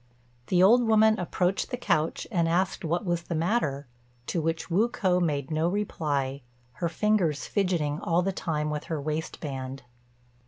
The old woman approached the couch and asked what was the matter; to which Wu k'o made no reply, her fingers fidgetting all the time with her waistband.